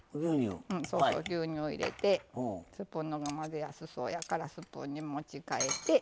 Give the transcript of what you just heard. そうそう牛乳を入れてスプーンのほうが混ぜやすそうやからスプーンに持ち替えて牛乳を入れて混ぜます。